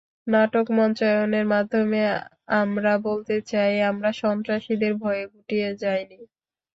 নাটক মঞ্চায়নের মাধ্যমে আমরা বলতে চাই, আমরা সন্ত্রাসীদের ভয়ে গুটিয়ে যাইনি।